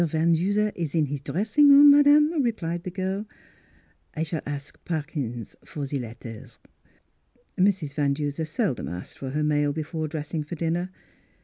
Van Duser is in his dressing room, madame," replied the girh " I s'all ask Parkyns for ze let taires." Mrs. Van Duser seldom asked for her mail before dressing for dinner.